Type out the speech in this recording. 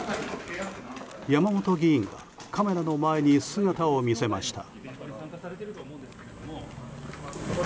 山本議員がカメラの前に姿を見せました。